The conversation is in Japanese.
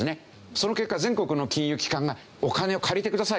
その結果全国の金融機関がお金を借りてください。